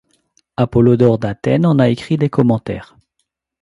Apollodore d'Athènes en a écrit des commentaires.